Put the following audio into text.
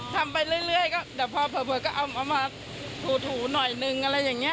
ทำไปเรื่อยก็เดี๋ยวพอเผลอก็เอามาถูหน่อยนึงอะไรอย่างนี้